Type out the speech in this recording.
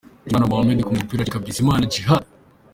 Mushimiyimana Mohammed ku mupira acika Bizimana Djihad.